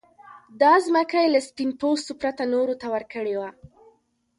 دا ځمکه يې له سپين پوستو پرته نورو ته ورکړې وه.